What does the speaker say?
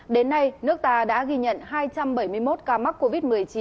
đến nay nước ta đã ghi nhận hai trăm bảy mươi một ca mắc covid một mươi chín